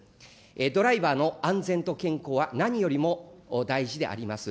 ドライバーの安全と健康は何よりも大事であります。